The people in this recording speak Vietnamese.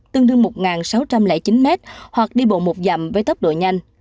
tương đương một sáu trăm linh chín mét hoặc đi bộ một dặm với tốc độ nhanh